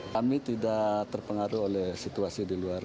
kami tidak terpengaruh oleh situasi di luar